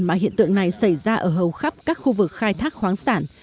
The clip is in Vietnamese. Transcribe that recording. mà hiện tượng này xảy ra ở hầu khắp các khu vực khai thác khoáng sản